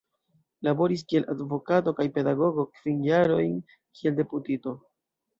Laboris kiel advokato kaj pedagogo, kvin jarojn kiel deputito.